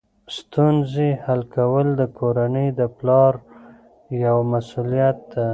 ستونزې حل کول د کورنۍ د پلار یوه مسؤلیت ده.